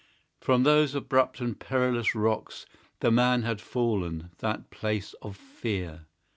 From those abrupt and perilous rocks The Man had fallen, that place of fear!